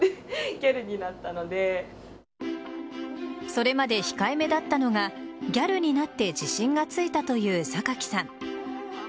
それまで控えめだったのがギャルになって自信がついたという榊さん。